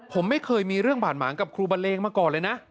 ผมไม่เคยมีเรื่องบาดหมางกับครูบันเลงมาก่อนเลยนะ